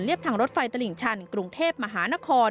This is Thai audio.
ทางรถไฟตลิ่งชันกรุงเทพมหานคร